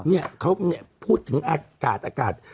เนี่ยเขาพูดถึงอากาศอากาศ